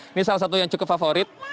ini salah satu yang cukup favorit